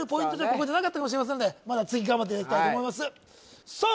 ここじゃなかったかもしれませんのでまた次頑張っていただきたいと思いますさあ